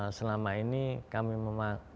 karena selama ini kami memakai rumah kurasi